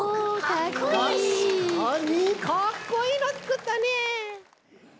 たしかにかっこいいのつくったね。